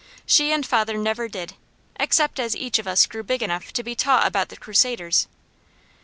She and father never did, except as each of us grew big enough to be taught about the Crusaders.